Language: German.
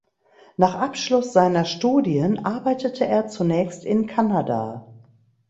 Nach Abschluss seiner Studien arbeitete er zunächst in Kanada.